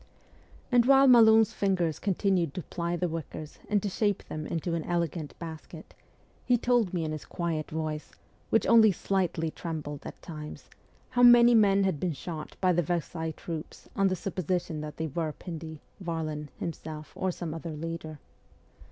And while Malon : s fingers 70 MEMOIRS OF A REVOLUTIONIST continued to ply the wickers and to shape them into an elegant basket, he told me in his quiet voice, which only slightly trembled at times, how many men had been shot by the Versailles troops on the supposition that they were Pindy, Varlin, himself, or some other leader.